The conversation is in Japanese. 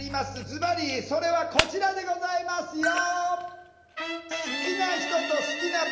ズバリそれはこちらでございますよ。